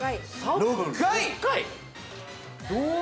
６回！？